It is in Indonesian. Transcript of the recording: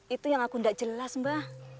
itu yang aku ndak jelas mba